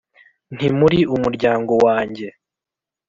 Ntimuri umuryango wanjye»,